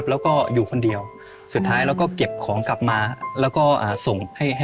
แล้วก็ค่อยเก็บไป